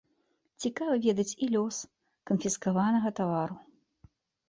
Цікава ведаць і лёс канфіскаванага тавару.